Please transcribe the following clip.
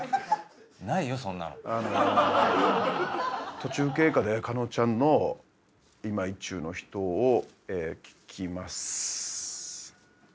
途中経過で加納ちゃんの今意中の人を聞きます。